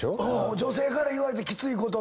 女性から言われてキツい言葉。